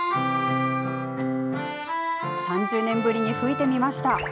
３０年ぶりに吹いてみました。